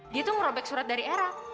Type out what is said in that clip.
dia tuh merobek surat dari era